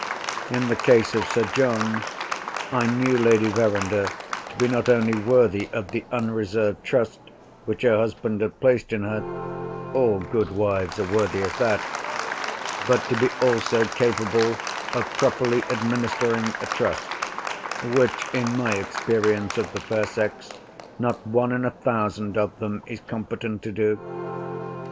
In the case of Sir John, I knew Lady Verinder to be, not only worthy of the unreserved trust which her husband had placed in her (all good wives are worthy of that)—but to be also capable of properly administering a trust (which, in my experience of the fair sex, not one in a thousand of them is competent to do).